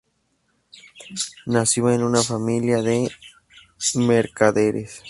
Nació en una familia de mercaderes.